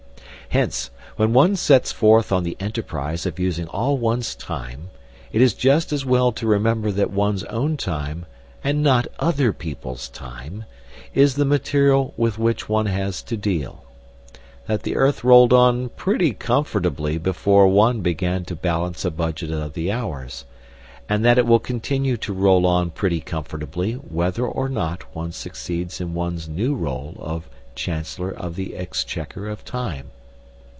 Hence, when one sets forth on the enterprise of using all one's time, it is just as well to remember that one's own time, and not other people's time, is the material with which one has to deal; that the earth rolled on pretty comfortably before one began to balance a budget of the hours, and that it will continue to roll on pretty comfortably whether or not one succeeds in one's new role of chancellor of the exchequer of time.